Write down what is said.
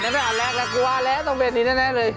เห็นไหมแรกตรงเวนนี้แน่เลย